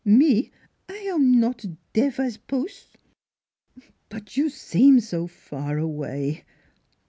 Me I am not deaf 's pos'." " But you seem so far away.